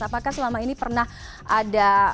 apakah selama ini pernah ada